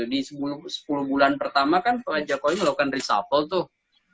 di sepuluh bulan pertama kan pak jokowi melakukan reshuffle tuh